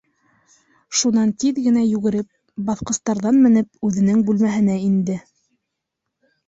Шунан тиҙ генә йүгереп, баҫҡыстарҙан менеп, үҙенең бүлмәһенә инде.